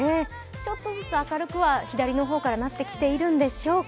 ちょっとずつ明るくは、左の方からなってきているんでしょうか。